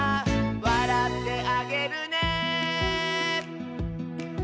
「わらってあげるね」